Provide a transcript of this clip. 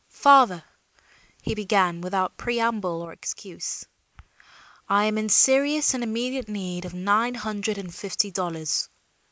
"Father," he began without preamble or excuse, "I am in serious and immediate need of nine hundred and fifty dollars.